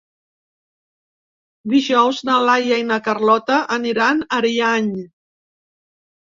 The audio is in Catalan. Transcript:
Dijous na Laia i na Carlota aniran a Ariany.